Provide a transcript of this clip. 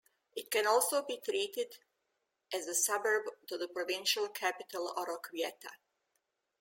It can also be treated as a suburb to the provincial capital Oroquieta.